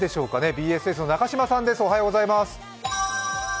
ＢＳＳの中島さんです。